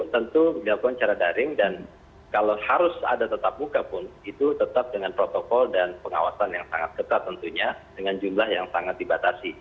tentu dilakukan secara daring dan kalau harus ada tetap muka pun itu tetap dengan protokol dan pengawasan yang sangat ketat tentunya dengan jumlah yang sangat dibatasi